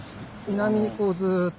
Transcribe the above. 南にこうずっと。